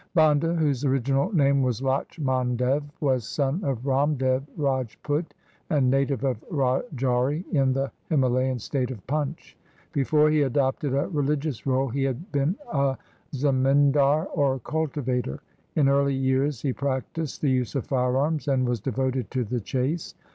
Banda, whose original name was Lachmandev, was son of Ramdev Rajput and native of Rajauri in the Himalayan State of Punch. Before he adopted a religious role he had been a zamindar or cultivator. In early years he practised the use of firearms and was devoted to the chase.